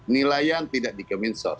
nilai tidak di kemin sos